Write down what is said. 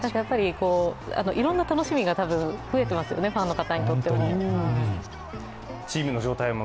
いろんな楽しみが増えてますよね、ファンの方にとっても。